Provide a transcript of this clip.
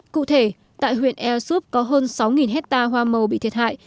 cụ thể tại huyện eosup có hơn sáu hectare hoa màu bị thiệt hại